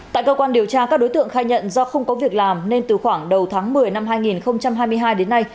tại cơ quan điều tra các đối tượng khai nhận do không có việc làm nên từ khoảng đầu tháng một mươi năm hai nghìn hai mươi hai đến nay